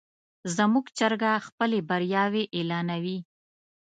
زموږ چرګه خپلې بریاوې اعلانوي.